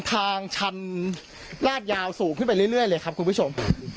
ทางชันลาดยาวสูงขึ้นไปเรื่อยเลยครับคุณผู้ชม